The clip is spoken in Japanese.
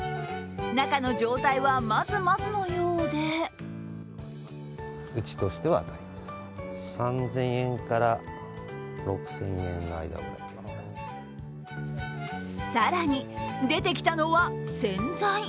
中の状態はまずまずのようで更に、出てきたのは洗剤。